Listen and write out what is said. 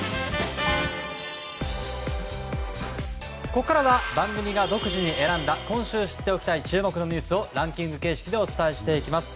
ここからは番組が独自に選んだ今週知っておきたい注目のニュースをランキング形式でお伝えしていきます。